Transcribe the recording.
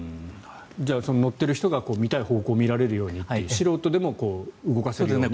その乗っている人が見たい方向を見られるようにという素人でも動かせるようにという。